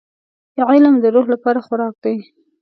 • علم د روح لپاره خوراک دی.